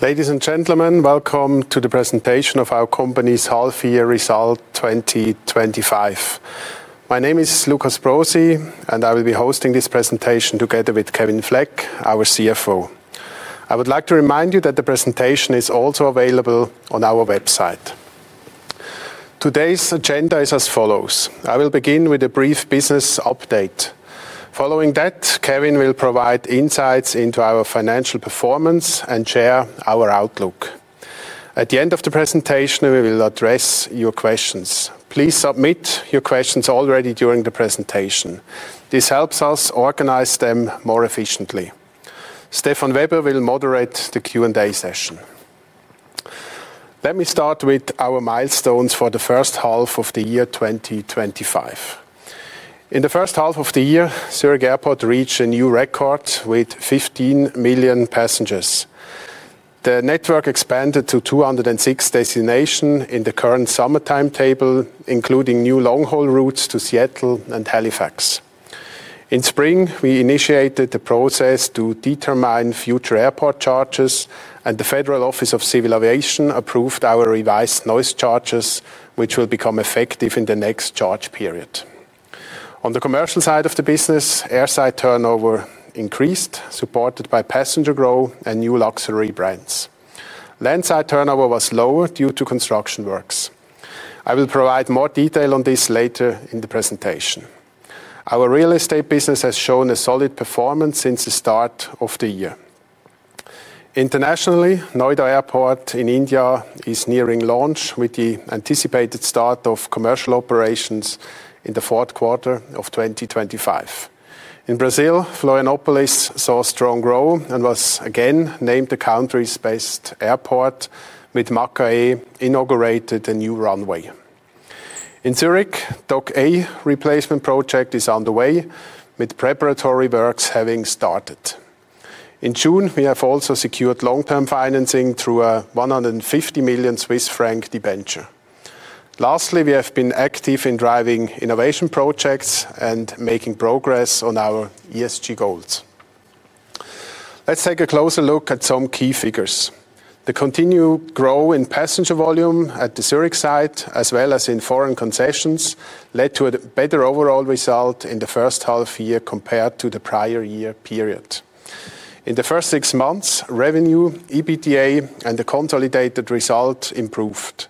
Ladies and gentlemen, welcome to the presentation of our Company's Half Year Result 2025. My name is Lukas Brosi and I will be hosting this presentation together with Kevin Fleck, our CFO. I would like to remind you that the presentation is also available on our website. Today's agenda is as follows. I will begin with a brief business update. Following that, Kevin will provide insights into our financial performance and share our outlook. At the end of the presentation, we will address your questions. Please submit your questions already during the presentation. This helps us organize them more efficiently. Stefan Weber will moderate the Q&A session. Let me start with our milestones for the first half of the year 2025. In the first half of the year, Zurich Airport reached a new record with 15 million passengers. The network expanded to 206 destinations in the current summer timetable, including new long-haul routes to Seattle and Halifax. In spring, we initiated the process to determine future airport charges and the Federal Office of Civil Aviation approved our revised noise charges, which will become effective in the next charge period. On the commercial side of the business, airside turnover increased, supported by passenger growth and new luxury brands. Landside turnover was lower due to construction works. I will provide more detail on this in the presentation. Our real estate business has shown a solid performance since the start of the year. Internationally, Noida Airport in India is nearing launch with the anticipated start of commercial operations in the fourth quarter of 2025. In Brazil, Florianopolis saw strong growth and was again named the country's best airport, with Macaé inaugurated. A new runway in Zurich Dock A replacement project is underway, with preparatory works having started in June. We have also secured long-term financing through a 150 million Swiss franc debenture. Lastly, we have been active in driving innovation projects and making progress on our ESG goals. Let's take a closer look at some key figures. The continued growth in passenger volume at the Zurich site as well as in foreign concessions led to a better overall result in the first half year compared to the prior year period. In the first six months, revenue, EBITDA, and the consolidated result improved.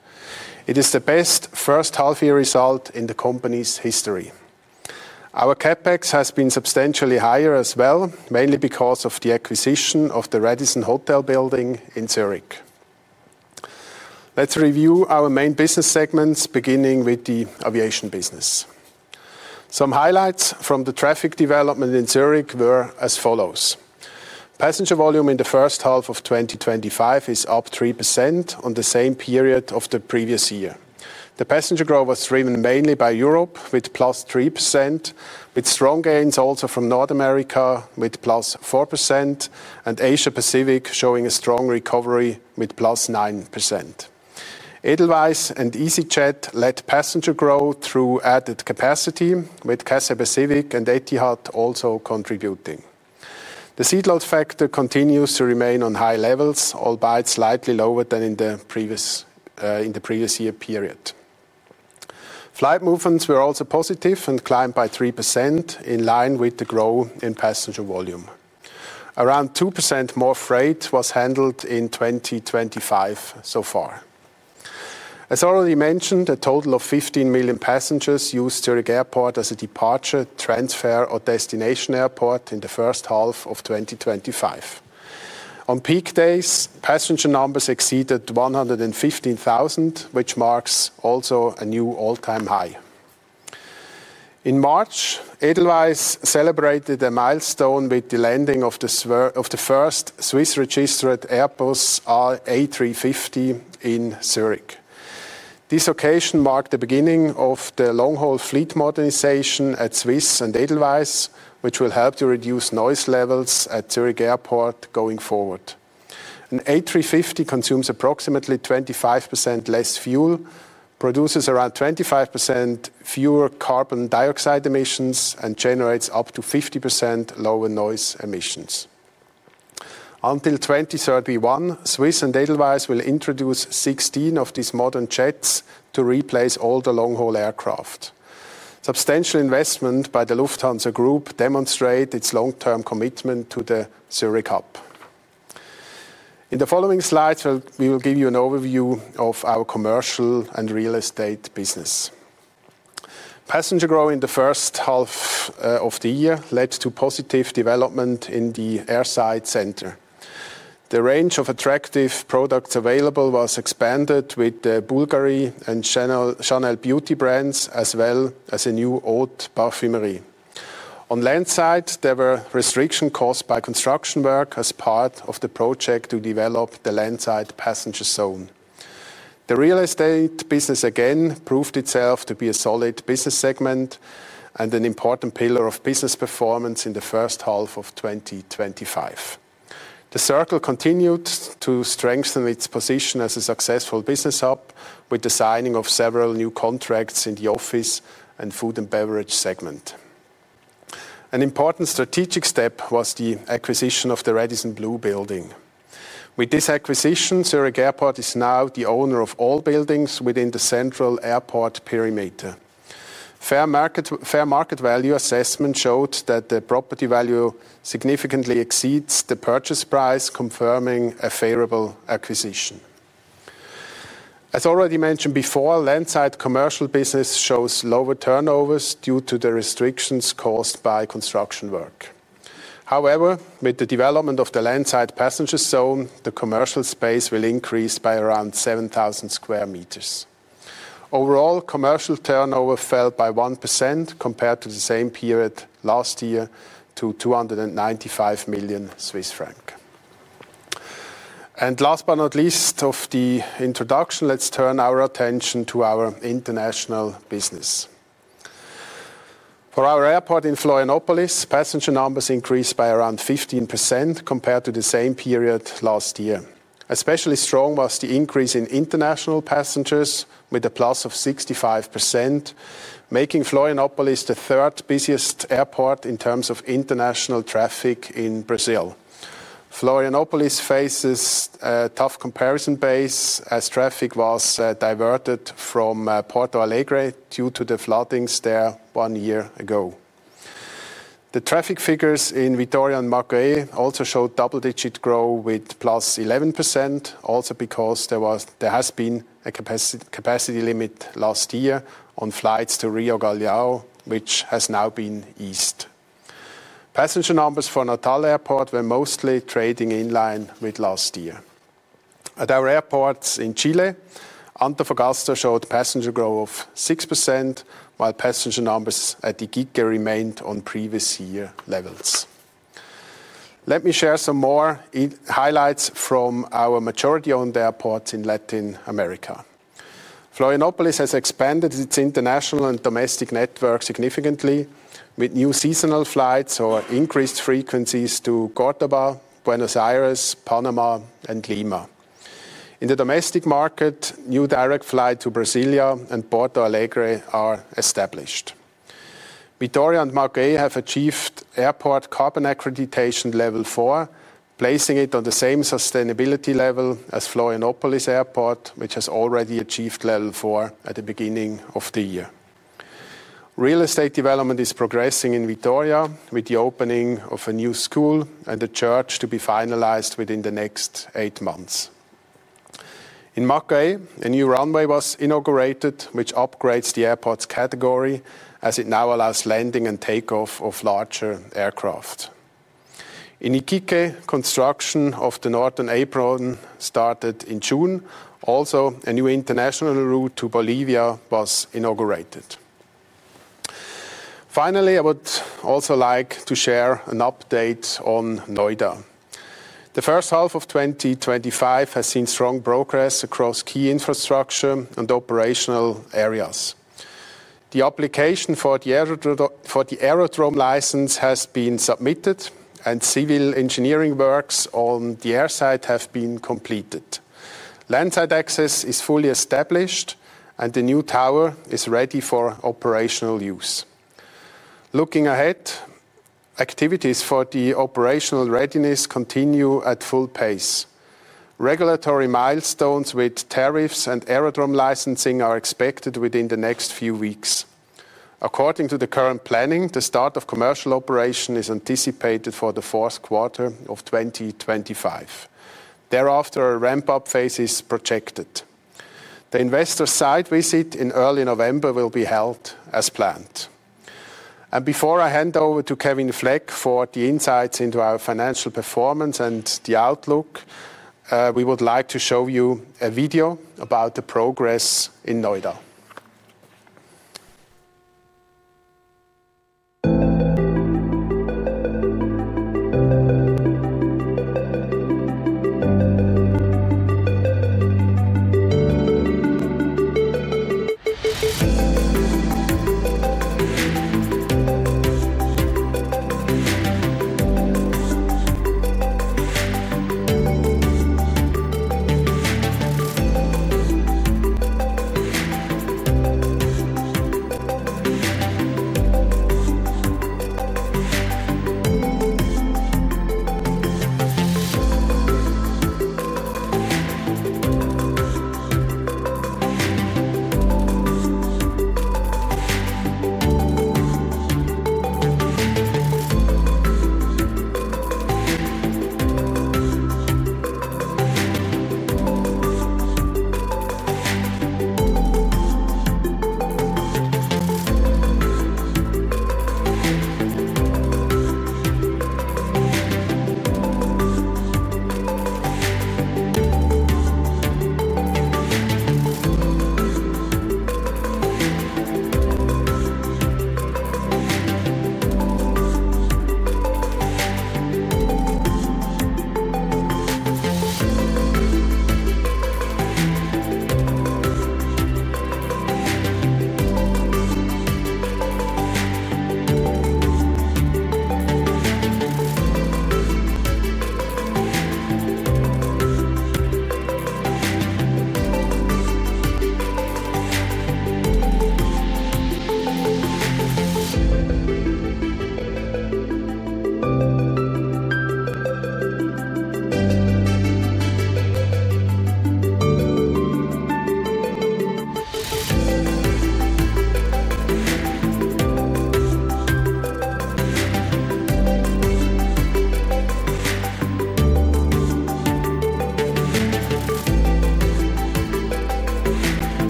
It is the best first half year result in the company's history. Our CapEx has been substantially higher as well, mainly because of the acquisition of the Radisson hotel building in Zurich. Let's review our main business segments beginning with the aviation business. Some highlights from the traffic development in Zurich were as passenger volume in the first half of 2025 is up 3% on the same period of the previous year. The passenger growth was driven mainly by Europe with +3% with strong gains also from North America with +4% and Asia Pacific showing a strong recovery with +9%. Edelweiss and easyJet let passenger growth through added capacity with Cathay Pacific and Etihad also contributing. The seat load factor continues to remain on high levels, albeit slightly lower than in the previous year period. Flight movements were also positive and climbed by 3% in line with the growth in passenger volume. Around 2% more freight was handled in 2025 so far. As already mentioned, a total of 15 million passengers used Zurich Airport as a departure, transfer, or destination airport in the first half of 2025. On peak days, passenger numbers exceeded 115,000 which marks also a new all-time high. In March, Edelweiss celebrated a milestone with the landing of the first Swiss registered Airbus A350 in Zurich. This occasion marked the beginning of the long-haul fleet modernization at Swiss and Edelweiss which will help to reduce noise levels at Zurich Airport going forward. An A350 consumes approximately 25% less fuel, produces around 25% fewer carbon dioxide emissions, and generates up to 50% lower noise emissions. Until 2031, Swiss and Edelweiss will introduce 16 of these modern jets to replace older long-haul aircraft. Substantial investment by the Lufthansa Group demonstrates its long-term commitment to the Zurich hub. In the following slides, we will give you an overview of our commercial and real estate business. Passenger growth in the first half of the year led to positive development in the Airside Center. The range of attractive products available was expanded with Bulgari and Chanel beauty brands as well as a new old [barfeim]. On landside, there were restrictions caused by construction work as part of the project to develop the landside passenger zone. The real estate business again proved itself to be a solid business segment and an important pillar of business performance in the first half of 2025. The Circle continued to strengthen its position as a successful business hub with the signing of several new contracts in the office and food and beverage segment. An important strategic step was the acquisition of the Radisson Blu building. With this acquisition, Zurich Airport is now the owner of all buildings within the central airport perimeter. Fair market value assessment showed that the property value significantly exceeds the purchase price, confirming a favorable acquisition. As already mentioned before, landside commercial business shows lower turnovers due to the restrictions caused by construction work. However, with the development of the landside passenger zone, the commercial space will increase by around 7,000 square meters. Overall commercial turnover fell by 1% compared to the same period last year to 295 million Swiss francs. Last but not least of the introduction, let's turn our attention to our international business. For our airport in Florianópolis, passenger numbers increased by around 15% compared to the same period last year. Especially strong was the increase in international passengers with a plus of 65%, making Florianópolis the third busiest airport in terms of international traffic in Brazil. Florianópolis faces a tough comparison base as traffic was diverted from Porto Alegre due to the floodings there one year ago. The traffic figures in Vitória and Macaé also showed double-digit growth with +11%. Also, because there has been a capacity limit last year on flights to Rio Galeão which has now been eased, passenger numbers for Natal Airport were mostly trading in line with last year. At our airports in Chile, Antofagasta showed passenger growth of 6% while passenger numbers at Iquique remained on previous year levels. Let me share some more highlights from our majority-owned airports in Latin America. Florianópolis has expanded its international and domestic network significantly with new seasonal flights or increased frequencies to Córdoba, Buenos Aires, Panama, and Lima. In the domestic market, new direct flights to Brasília and Porto Alegre are established. Vitória and Macaé have achieved Airport Carbon Accreditation Level 4, placing it on the same sustainability level as Florianópolis Airport, which has already achieved Level 4. At the beginning of the year, real estate development is progressing in Vitória with the opening of a new school and a church to be finalized within the next eight months. In Macaé, a new runway was inaugurated which upgrades the airport's category as it now allows landing and takeoff of larger aircraft. In Iquique, construction of the northern apron started in June. Also, a new international route to Bolivia was inaugurated. Finally, I would also like to share an update on Noida. The first half of 2025 has seen strong progress across key infrastructure and operational areas. The application for the aerodrome license has been submitted and civil engineering works on the airside have been completed. Landside access is fully established and the new tower is ready for operational use. Looking ahead, activities for the operational readiness continue at full pace. Regulatory milestones with tariffs and aerodrome licensing are expected within the next few weeks. According to the current planning, the start of commercial operation is anticipated for the fourth quarter of 2025. Thereafter, a ramp-up phase is projected. The investor site visit in early November will be held as planned. Before I hand over to Kevin Fleck for the insights into our financial performance and the outlook, we would like to show you a video about the progress in Noida. Here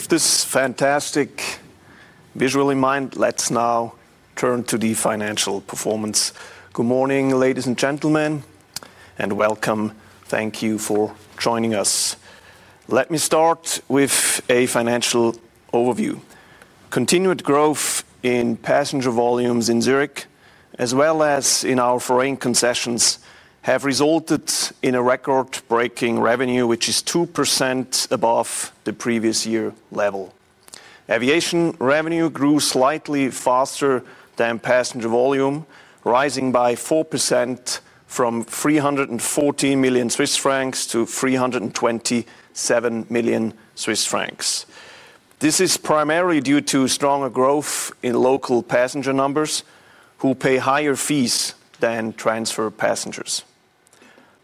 with this fantastic visual in mind, let's now turn to the financial performance. Good morning, ladies and gentlemen, and welcome. Thank you for joining us. Let me start with a financial overview. Continued growth in passenger volumes in Zurich as well as in our foreign concessions have resulted in a record-breaking revenue which is 2% above the previous year level. Aviation revenue grew slightly faster than passenger volume, rising by 4% from 340 million Swiss francs to 327 million Swiss francs. This is primarily due to stronger growth in local passenger numbers who pay higher fees than transfer passengers.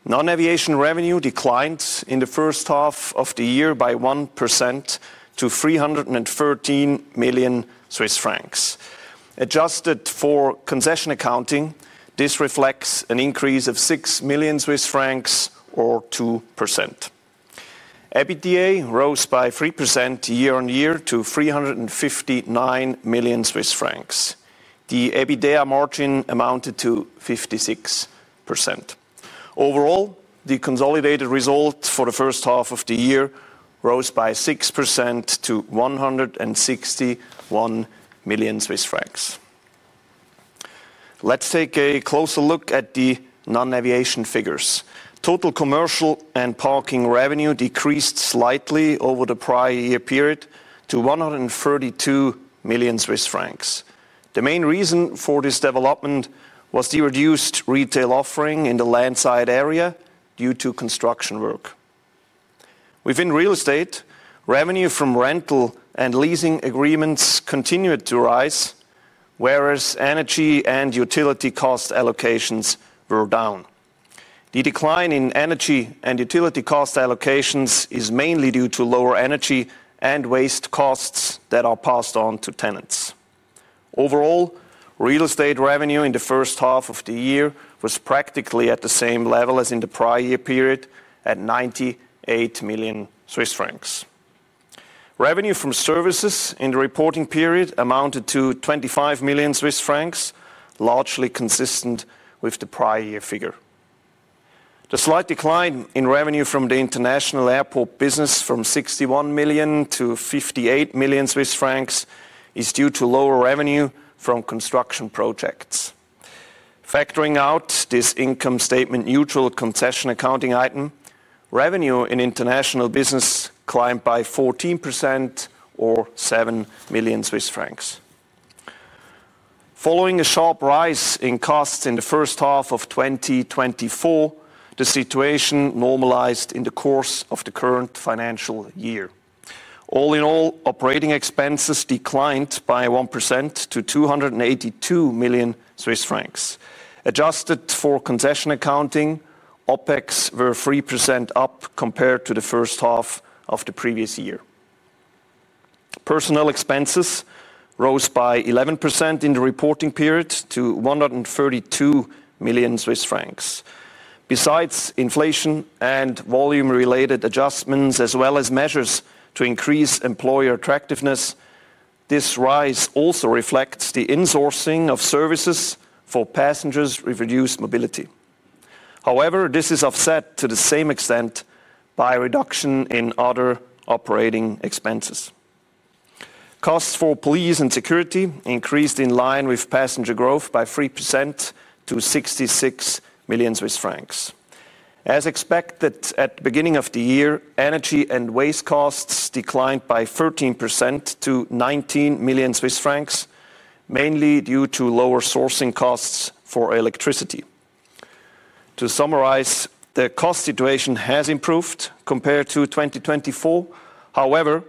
Non-aviation revenue declined in the first half of the year by 1% to 313 million Swiss francs. Adjusted for concession accounting, this reflects an increase of 6 million Swiss francs or 2%. EBITDA rose by 3% year-on-year to 359 million Swiss francs. The EBITDA margin amounted to 56%. Overall, the consolidated result for the first half of the year rose by 6% to 161 million Swiss francs. Let's take a closer look at the non-aviation figures. Total commercial and parking revenue decreased slightly over the prior year period to 132 million Swiss francs. The main reason for this development was the reduced retail offering in the landside area due to construction work. Within real estate, revenue from rental and leasing agreements continued to rise, whereas energy and utility cost allocations were down. The decline in energy and utility cost allocations is mainly due to lower energy and waste costs that are passed on to tenants. Overall real estate revenue in the first half of the year was practically at the same level as in the prior year period at 98 million Swiss francs. Revenue from services in the reporting period amounted to 25 million Swiss francs, largely consistent with the prior year figure. The slight decline in revenue from the international airport business from 61 million to 58 million Swiss francs is due to lower revenue from construction projects. Factoring out this income statement, neutral concession accounting item revenue in international business climbed by 14% or 7 million Swiss francs. Following a sharp rise in costs in the first half of 2024, the situation normalized in the course of the current financial year. All in all, operating expenses declined by 1% to 282 million Swiss francs. Adjusted for concession accounting, OpEx were 3% up compared to the first half of the previous year. Personnel expenses rose by 11% in the reporting period to 132 million Swiss francs. Besides inflation and volume-related adjustments, as well as measures to increase employer attractiveness, this rise also reflects the insourcing of services for passengers with reduced mobility. However, this is offset to the same extent by a reduction in other operating expenses. Costs for police and security increased in line with passenger growth by 3% to 66 million Swiss francs, as expected at the beginning of the year. Energy and waste costs declined by 13% to 19 million Swiss francs, mainly due to lower sourcing costs for electricity. To summarize, the cost situation has improved compared to 2024. However,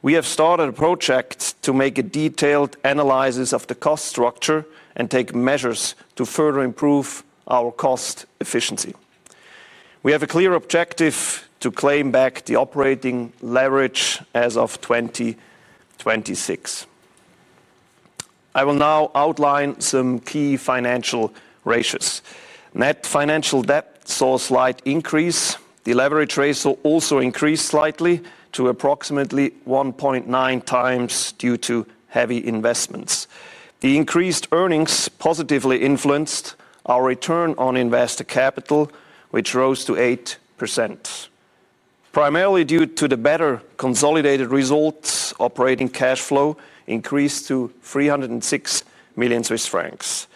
we have started a project to make a detailed analysis of the cost structure and take measures to further improve our cost efficiency. We have a clear objective to claim back the operating leverage as of 2026. I will now outline some key financial ratios. Net financial debt saw a slight increase. The leverage ratio also increased slightly to approximately 1.9X due to heavy investments. The increased earnings positively influenced our return on invested capital, which rose to 8% primarily due to the better consolidated results. Operating cash flow increased to 306 million Swiss francs.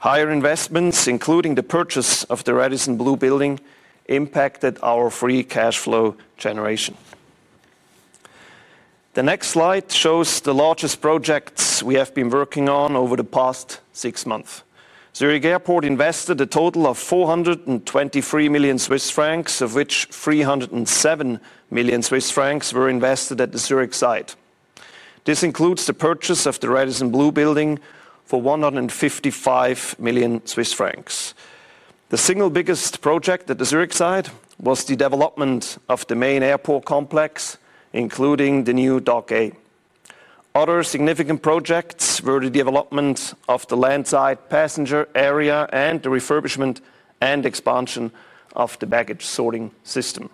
Higher investments, including the purchase of the Radisson Blu building, impacted our free cash flow generation. The next slide shows the largest projects we have been working on over the past six months. Zurich Airport invested a total of 423 million Swiss francs, of which 307 million Swiss francs were invested at the Zurich site. This includes the purchase of the Radisson Blu building for 155 million Swiss francs. The single biggest project at the Zurich site was the development of the main airport complex including the new Dock A. Other significant projects were the development of the landside passenger area and the refurbishment and expansion of the baggage sorting system.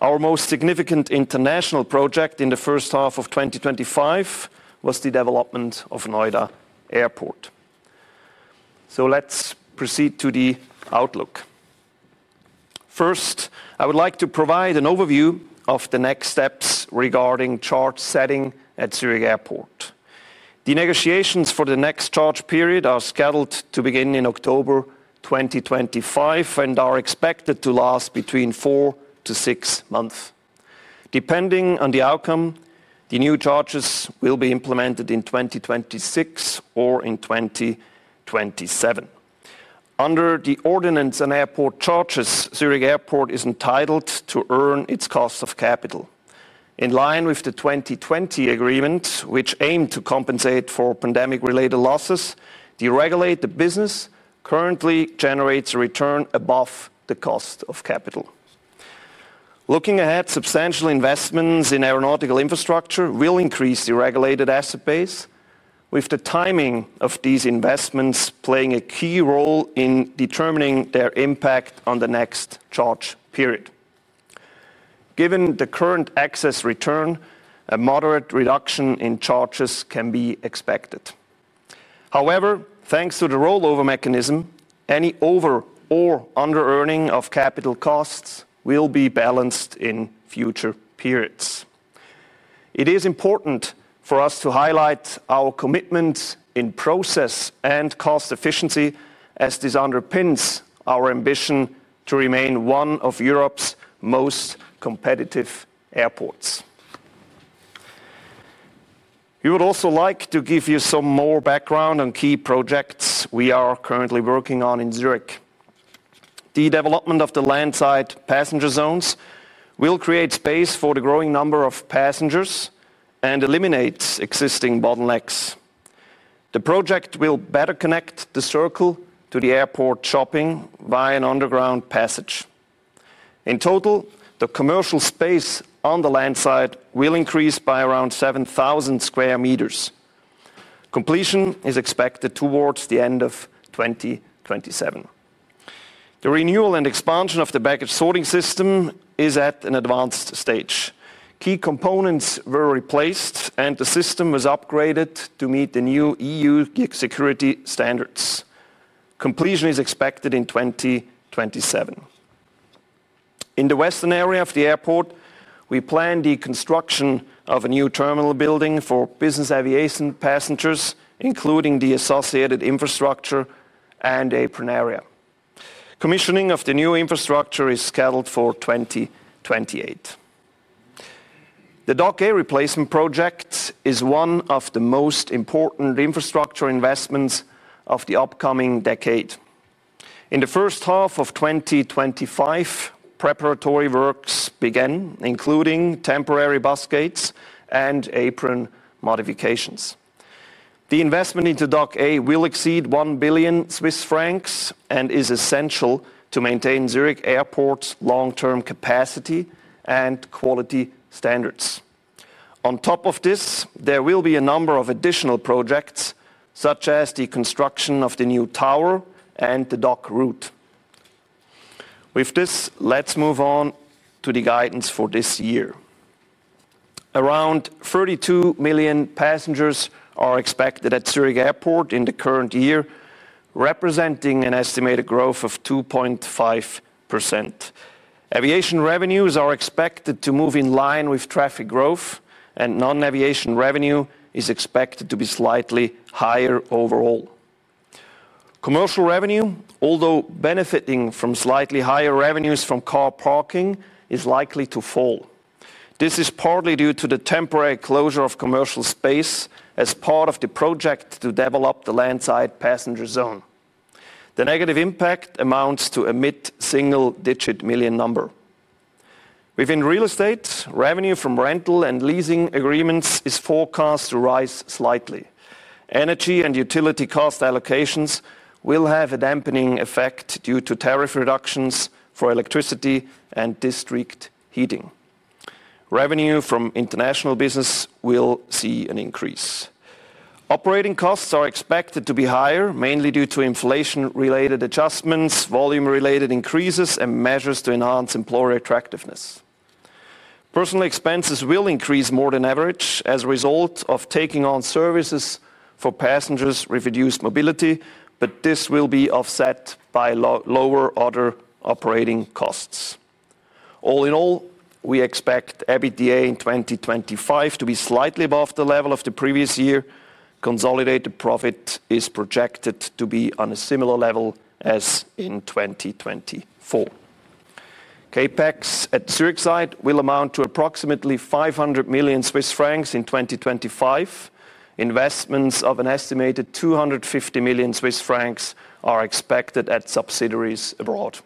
Our most significant international project in the first half of 2025 was the development of Noida Airport. Let's proceed to the outlook. First, I would like to provide an overview of the next steps regarding charge setting at Zurich Airport. The negotiations for the next charge period are scheduled to begin in October 2025 and are expected to last between four to six months. Depending on the outcome, the new charges will be implemented in 2026 or in 2027. Under the ordinance and airport charges, Zurich Airport is entitled to earn its cost of capital in line with the 2020 agreement which aimed to compensate for pandemic-related losses. The regulated business currently generates a return above the cost of capital. Looking ahead, substantial investments in aeronautical infrastructure will increase the regulated asset base, with the timing of these investments playing a key role in determining their impact on the next charge period. Given the current excess return, a moderate reduction in charges can be expected. However, thanks to the rollover mechanism, any over or under earning of capital costs will be balanced in future periods. It is important for us to highlight our commitment in process and cost efficiency as this underpins our ambition to remain one of Europe's most competitive airports. We would also like to give you some more background on key projects we are currently working on in Zurich. The development of the landside passenger zones will create space for the growing number of passengers and eliminate existing bottlenecks. The project will better connect the Circle to the airport shopping by an underground passage. In total, the commercial space on the landside will increase by around 7,000 square meters. Completion is expected towards the end of 2027. The renewal and expansion of the package sorting system is at an advanced stage. Key components were replaced and the system was upgraded to meet the new EU gig security standards. Completion is expected in 2027. In the western area of the airport, we plan the construction of a new terminal building for business aviation passengers, including the associated infrastructure and apron area. Commissioning of the new infrastructure is scheduled for 2028. The Dock A replacement project is one of the most important infrastructure investments of the upcoming decade. In the first half of 2025, preparatory works began including temporary bus gates and apron modifications. The investment into Dock A will exceed 1 billion Swiss francs and is essential to maintain Zurich Airport's long-term capacity and quality standards. On top of this, there will be a number of additional projects such as the construction of the new tower and the Dock route. With this, let's move on to the guidance for this year. Around 32 million passengers are expected at Zurich Airport in the current year, representing an estimated growth of 2.5%. Aviation revenues are expected to move in line with traffic growth and non-aviation revenue is expected to be slightly higher. Overall commercial revenue, although benefiting from slightly higher revenues from car parking, is likely to fall. This is partly due to the temporary closure of commercial space as part of the project to develop the landside passenger zone. The negative impact amounts to a mid single-digit million number. Within real estate, revenue from rental and leasing agreements is forecast to rise slightly. Energy and utility cost allocations will have a dampening effect due to tariff reductions for electricity and district heating. Revenue from international business will see an increase. Operating costs are expected to be higher, mainly due to inflation-related adjustments, volume-related increases, and measures to enhance employer attractiveness. Personnel expenses will increase more than average as a result of taking on services for passengers with reduced mobility, but this will be offset by lower other operating costs. All in all, we expect EBITDA in 2025 to be slightly above the level of the previous year. Consolidated profit is projected to be on a similar level as in 2024. CapEx at Zurich [side] will amount to approximately 500 million Swiss francs. In 2025, investments of an estimated 250 million Swiss francs are expected at subsidiaries abroad,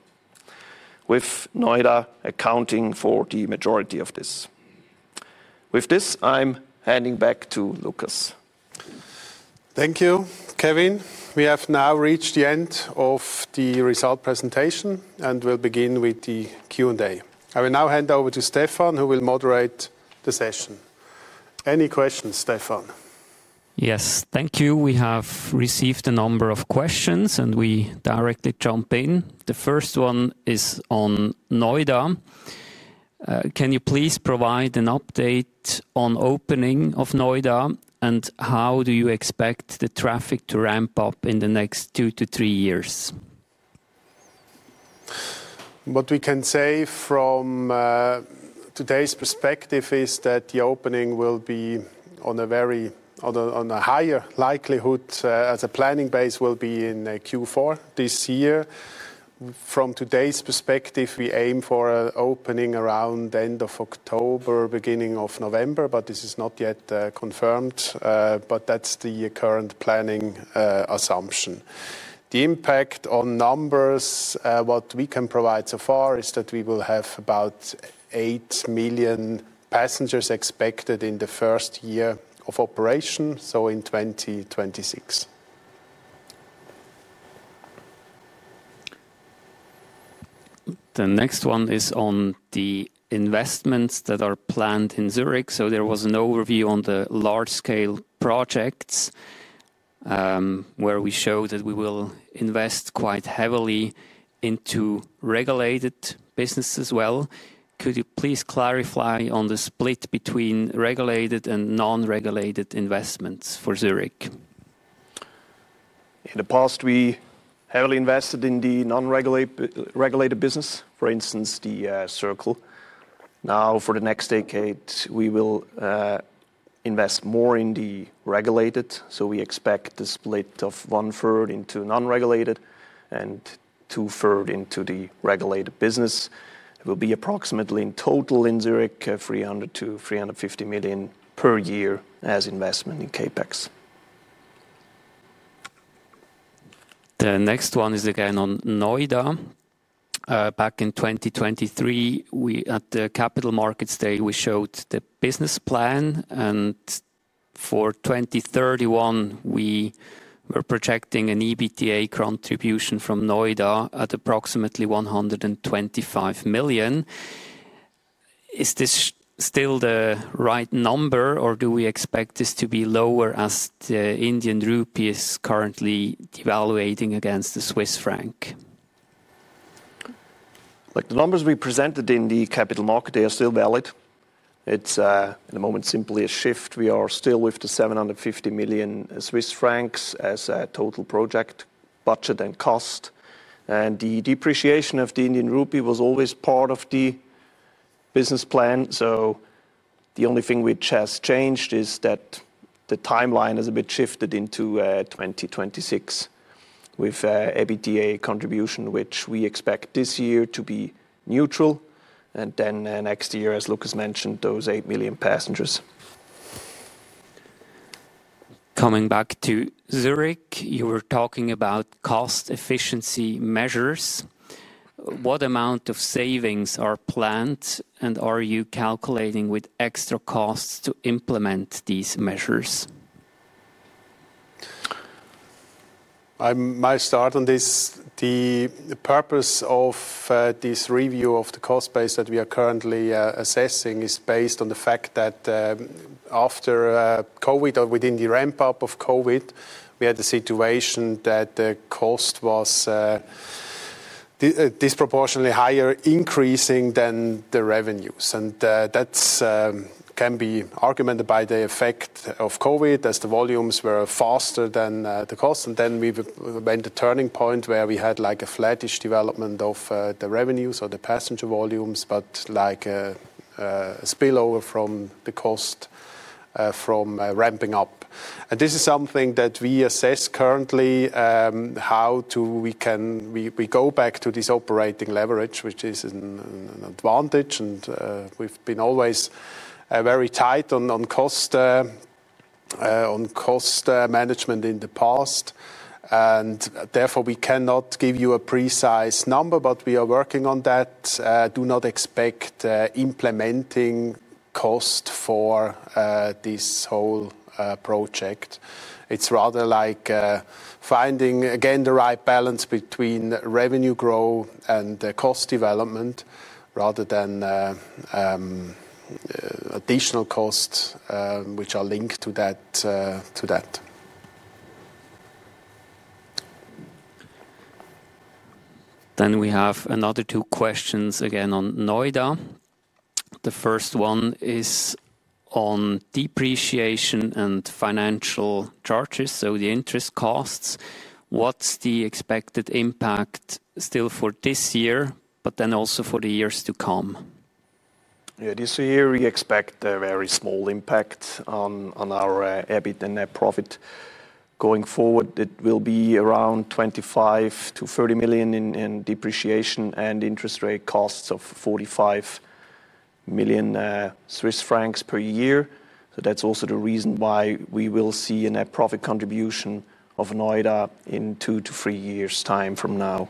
with Noida accounting for the majority of this. With this, I'm handing back to Lukas. Thank you, Kevin. We have now reached the end of the result presentation, and we'll begin with the Q&A. I will now hand over to Stefan, who will moderate the session. Any questions, Stefan? Yes, thank you. We have received a number of questions, and we directly jump in. The first one is on Noida. Can you please provide an update on opening of Noida and how do you expect the traffic to ramp up in the next two to three years? What we can say from today's perspective is that the opening will be on a higher likelihood as a planning base will be in Q4 this year. From today's perspective, we aim for opening around end of October, beginning of November, but this is not yet confirmed. That's the current planning assumption. The impact on numbers, what we can provide so far, is that we will have about 8 million passengers expected in the first year of operation, so in 2026. The next one is on the investments that are planned in Zurich. There was an overview on the large scale projects where we show that we will invest quite heavily into regulated business as well. Could you please clarify on the split between regulated and non regulated investments for Zurich? In the past we heavily invested in the non-regulated business, for instance the Circle. Now for the next decade we will invest more in the regulated. We expect the split of 1/3 into non-regulated and 2/3 into the regulated business. It will be approximately in total in Zurich 300 to 350 million per year as investment in CapEx. The next one is again on Noida. Back in 2023 at the Capital Markets Day we showed the business plan and for 2031 we were projecting an EBITDA contribution from Noida at approximately 100 million. Is this still the right number or do we expect this to be lower as the Indian rupee is currently devaluating against the Swiss franc? The numbers we presented in the capital market, they are still valid. It's at the moment simply a shift. We are still with the 750 million Swiss francs as a total project budget and cost, and the depreciation of the Indian rupee was always part of the business plan. The only thing which has changed is that the timeline has a bit shifted into 2026 with EBITDA contribution, which we expect this year to be neutral. Next year, as Lukas mentioned, those 8 million passengers. Coming back to Zurich, you were talking about cost efficiency measures. What amount of savings are planned, and are you calculating with extra costs to implement these measures? I might start on this. The purpose of this review of the cost base that we are currently assessing is based on the fact that after COVID, or within the ramp up of COVID, we had the situation that the cost was disproportionately higher increasing than the revenues. That can be argued by the effect of COVID as the volumes were faster than the cost. We went to a turning point where we had like a flattish development of the revenues or the passenger volumes, but like a spillover from the cost from ramping up. This is something that we assess currently, how we go back to this operating leverage, which is an advantage. We've been always very tight on cost management in the past and therefore we cannot give you a precise number, but we are working on that. Do not expect implementing cost for this whole project. It's rather like finding again the right balance between revenue growth and cost development rather than additional cost which are linked to that. We have another two questions again on Noida. The first one is on depreciation and financial charges. The interest costs, what's the expected impact still for this year, but then also for the years to come? Yeah, this year we expect a very small impact on our EBIT and net profit going forward. It will be around 25 million-30 million in depreciation and interest rate costs of 45 million Swiss francs per year. That's also the reason why we will see a net profit contribution of Noida in two to three years' time from now.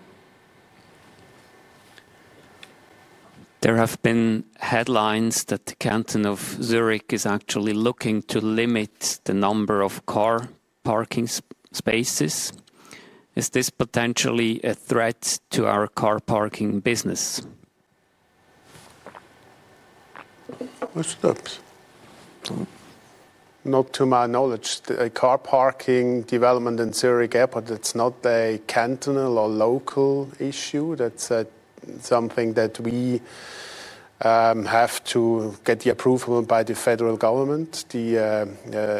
There have been headlines that the Canton of Zurich is actually looking to limit the number of car parking spaces. Is this potentially a threat to our car parking business? Not to my knowledge. Car parking development in Zurich Airport, it's not a cantonal or local issue. That's something that we have to get the approval by the federal government,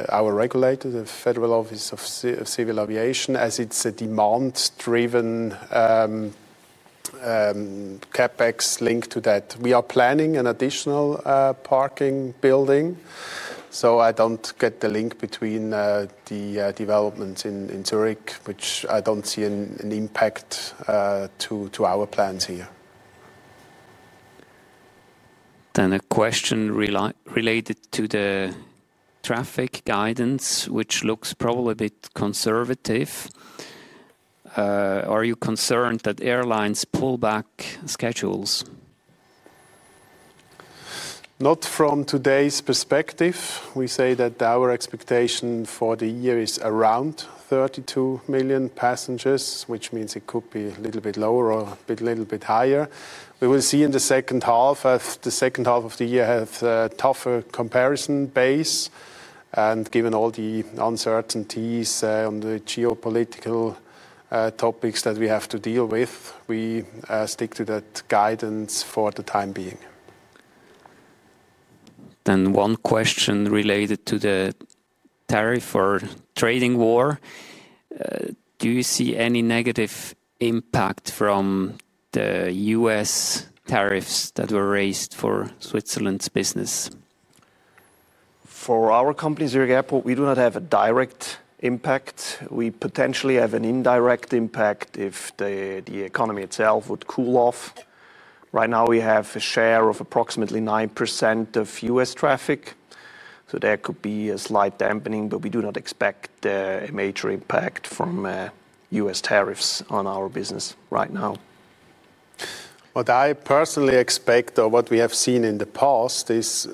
our regulator, the Federal Office of Civil Aviation, as it's a demand-driven CapEx. Linked to that, we are planning an additional parking building. I don't get the link between the development in Zurich, which I don't see an impact to our plans here. A question related to the traffic guidance, which looks probably a bit conservative. Are you concerned that airlines pull back schedules? Not from today's perspective. We say that our expectation for the year is around 32 million passengers, which means it could be a little bit lower or a little bit higher. We will see in the second half. The second half of the year has a tougher comparison base. Given all the uncertainties on the geopolitical topics that we have to deal with, we stick to that guidance for the time being. One question related to the tariff or trading war. Do you see any negative impact from the U.S. tariffs that were raised for Switzerland's business? For our company Zürich Airport, we do not have a direct impact. We potentially have an indirect impact if the economy itself would cool off. Right now we have a share of approximately 9% of U.S. traffic, so there could be a slight dampening. We do not expect a major impact from U.S. tariffs on our business right now. What I personally expect or what we have seen in the past is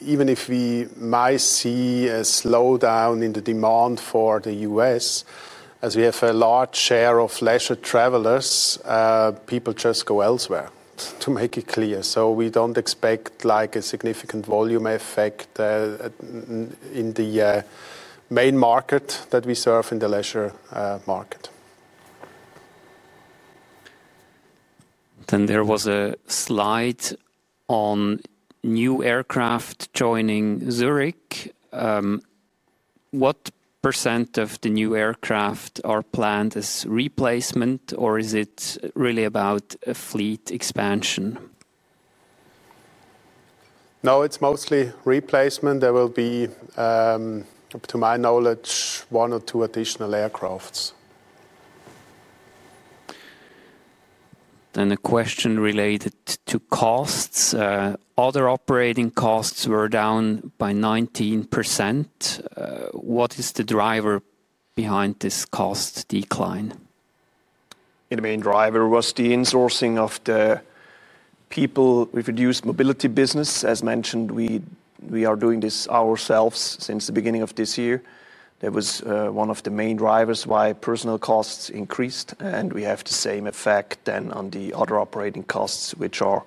even if we might see a slowdown in the demand for the U.S. as we have a large share of leisure travelers, people just go elsewhere to make it clear. We don't expect like a significant volume effect in the main market that we serve in the leisure market. There was a slide on new aircraft joining Zurich. What % of the new aircraft are planned as replacement? Or is it really about a fleet expansion? No, it's mostly replacement. There will be, to my knowledge, one or two additional aircraft. A question related to costs. Other operating costs were down by 19%. What is the driver behind this cost decline? The main driver was the insourcing of the people with reduced mobility business. As mentioned, we are doing this ourselves since the beginning of this year. That was one of the main drivers why personnel costs increased. We have the same effect then on the other operating costs, which are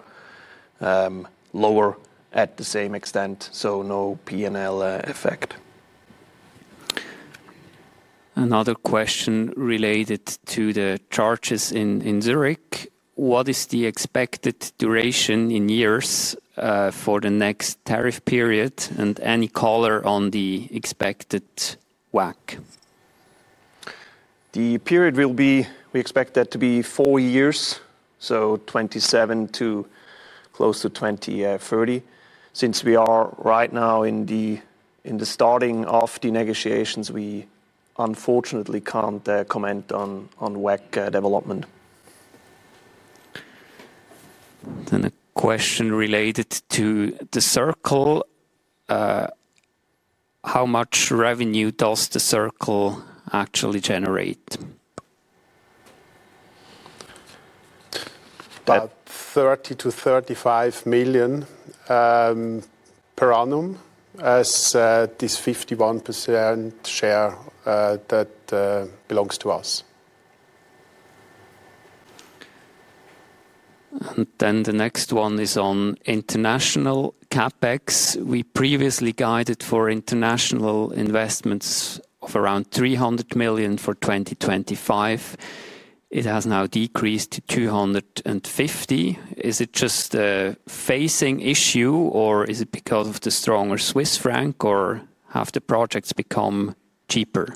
lower to the same extent. No P&L effect. Another question related to the charges in Zurich. What is the expected duration in years for the next tariff period? Any color on the expected WACC. The period will be four years. We expect that to be four years, 2027 to close to 2030. Since we are right now in the starting of the negotiations, we unfortunately can't comment on WACC development. A question related to the Circle. How much revenue does the Circle actually generate? About 30 million-35 million per annum, as this 51% share that belongs to us. The next one is on international CapEx. We previously guided for international investments for around 300 million. For 2025, it has now decreased to 250 million. Is it just a phasing issue, or is it because of the stronger Swiss franc? Or have the projects become cheaper?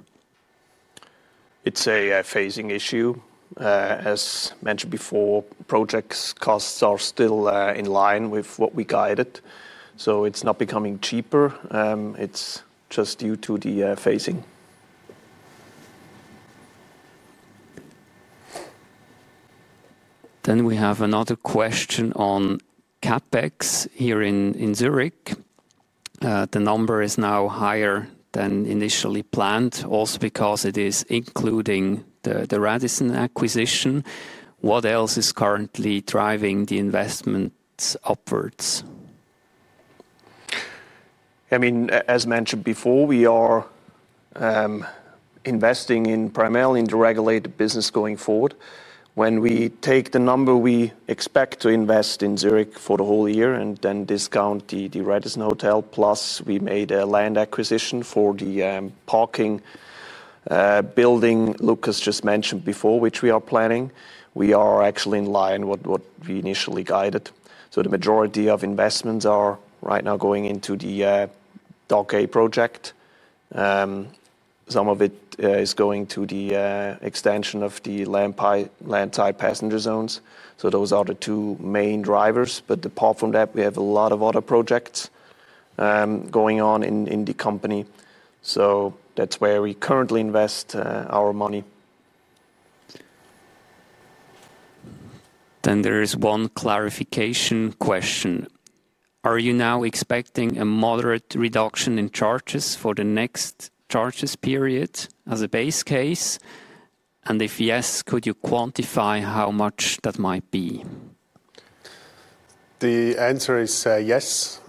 It's a phasing issue. As mentioned before, project costs are still in line with what we guided. It's not becoming cheaper, it's just due to the phasing. We have another question on CapEx here in Zurich. The number is now higher than initially planned, also because it is including the Radisson acquisition. What else is currently driving the investment upwards? I mean, as mentioned before, we are investing primarily in the regulated business. Going forward, when we take the number, we expect to invest in Zurich for the whole year and then discount the Radisson hotel. Plus, we made a land acquisition for the parking building Lukas just mentioned before, which we are planning. We are actually in line with what we initially guided. The majority of investments are right now going into the Dock A project. Some of it is going to the extension of the landside passenger zones. Those are the two main drivers. Apart from that, we have a lot of other projects going on in the company. That's where we currently invest our money. There is one clarification question. Are you now expecting a moderate reduction in charges for the next charges period as a base case? If yes, could you quantify how much that might be? The answer is yes.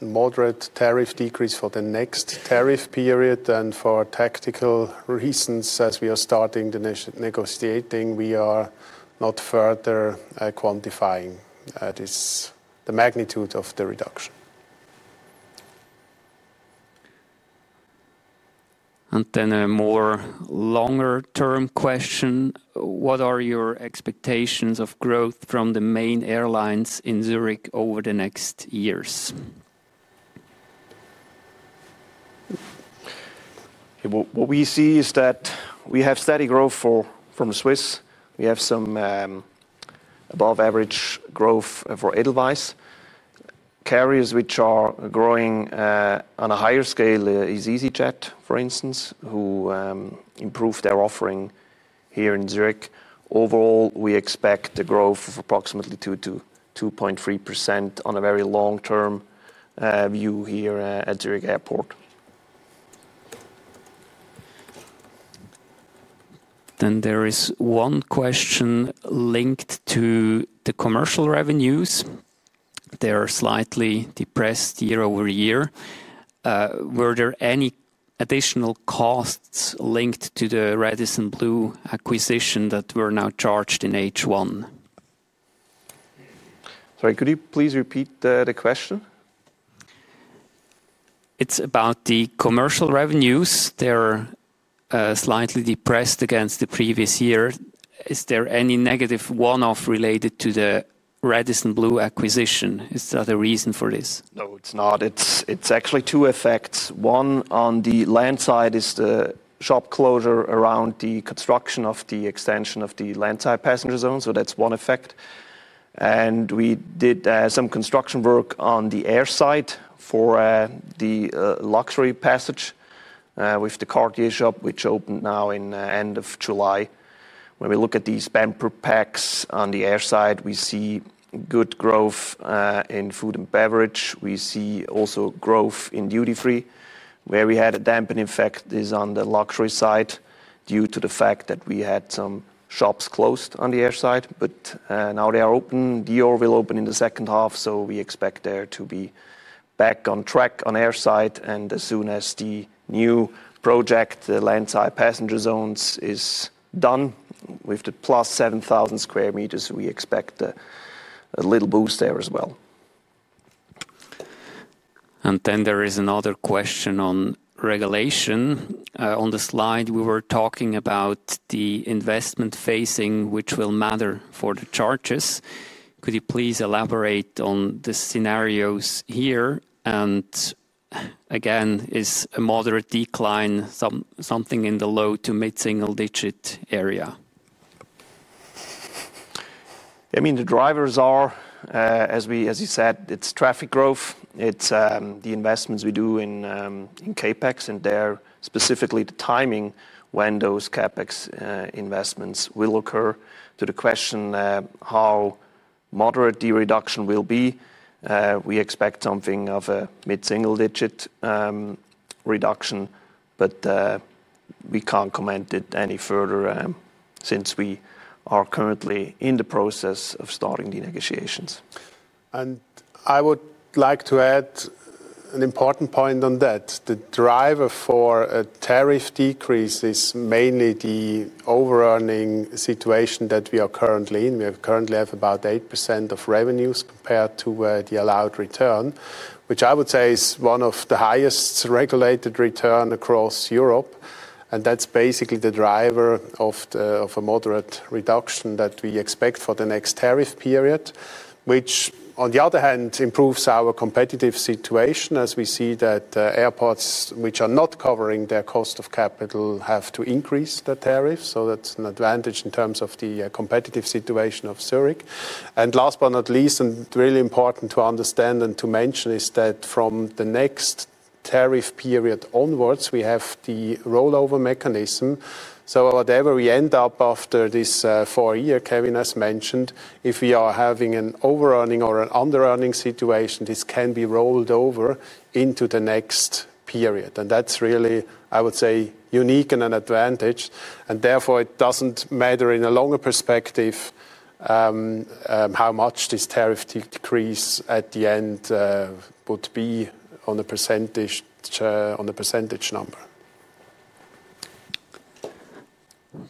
Moderate tariff decrease for the next tariff period. For tactical reasons, as we are starting the negotiations, we are not further quantifying the magnitude of the reduction. A more longer term question. What are your expectations of growth from the main airlines in Zurich over the next years? What we see is that we have steady growth from Swiss. We have some above average growth for Edelweiss carriers, which are growing on a higher scale. Is easyJet, for instance, who improved their offering here in Zurich? Overall, we expect a growth of approximately 2%-2.3% on a very long-term view here at Zurich Airport. There is one question linked to the commercial revenues. They are slightly depressed year-over-year. Were there any additional costs linked to the Radisson Blu acquisition that were now charged in H1? Sorry, could you please repeat the question? It's about the commercial revenues. They're slightly depressed against the previous year. Is there any negative one off related to the Radisson Blu acquisition? Is that a reason for this? No, it's not. It's actually two effects. One on the landside is the shop closure around the construction of the extension of the landside passenger zone. That's one effect. We did some construction work on the airside for the luxury passage with the Cartier shop, which opened now in end of July. When we look at these bumper packs on the airside, we see good growth in food and beverage. We see also growth in duty free. Where we had a dampening effect is on the luxury side due to the fact that we had some shops closed on the airside, but now they are open. Dior will open in the second half, so we expect there to be back on track on airside, and as soon as the new project, the landside passenger zones, is done with the plus 7,000 square meters, we expect a little boost there as well. There is another question on regulation. On the slide we were talking about the investment phasing, which will matter for the charges. Could you please elaborate on the scenarios here? Again, is a moderate decline something in the low to mid single digit area? The drivers are as you said, it's traffic growth, it's the investments we do in CapEx and specifically the timing when those CapEx investments will occur. To the question how moderate DE reduction will be, we expect something of a mid single digit reduction, but we can't comment it any further since we are currently in the process of starting the negotiations. And I would like to add an important point on that. The driver for a tariff decrease is mainly the over earning situation that we are currently in. We currently have about 8% of revenues compared to the allowed return, which I would say is one of the highest regulated returns across Europe, and that's basically the driver of a moderate reduction that we expect for the next tariff period, which on the other hand improves our competitive situation as we see that airports which are not covering their cost of capital have to increase the tariffs. That's an advantage in terms of the competitive situation of Zurich. Last but not least, and really important to understand and to mention, is that from the next tariff period onwards we have the rollover mechanism. Whatever we end up after this four-year Kevin has mentioned, if we are having an overrunning or an underrunning situation, this can be rolled over into the next period, and that's really, I would say, unique and an advantage. Therefore, it doesn't matter in a longer perspective how much this tariff decrease at the end would be on the percentage number.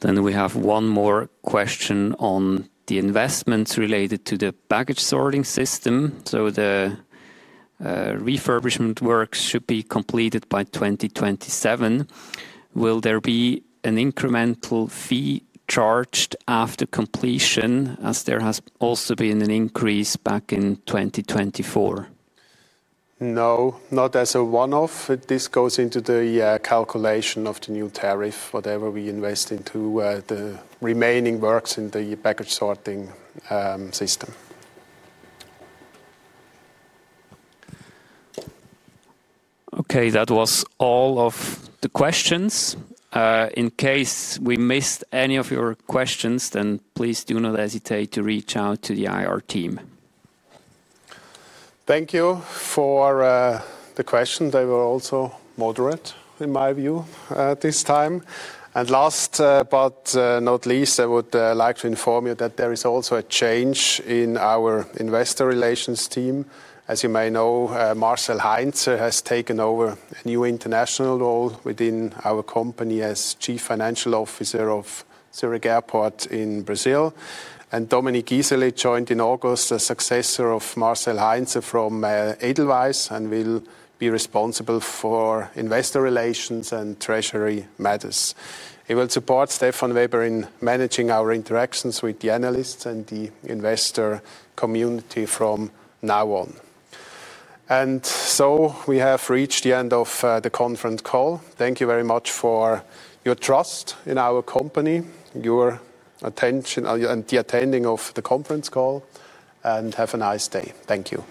We have one more question on the investments related to the baggage sorting system. The refurbishment work should be completed by 2027. Will there be an incremental fee charged after completion, as there has also been an increase back in 2024? No, not as a one off. This goes into the calculation of the new tariff, whatever we invest into the remaining works in the package sorting system. Okay, that was all of the questions. In case we missed any of your questions, then please do not hesitate to reach out to the IR team. Thank you for the questions. They were also moderate in my view at this time. Last but not least, I would like to inform you that there is also a change in our investor relations team. As you may know, Marcel Heinzer has taken over a new international role within our company as Chief Financial Officer of Zurich Airport in Brazil. Dominique Giselle joined in August as successor of Marcel Heinzer from Edelweiss and will be responsible for investor relations and treasury matters. He will support Stefan Weber in managing our interactions with the analysts and the investor community from now on. We have reached the end of the conference call. Thank you very much for your trust in our company, your attention and the attending of the conference call, and have a nice day. Thank you.